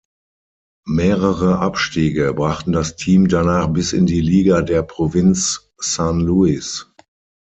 Mehrere Abstiege brachten das Team danach bis in die Liga der Provinz San Luis.